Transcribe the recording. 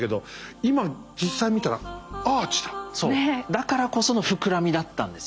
だからこその膨らみだったんですよ。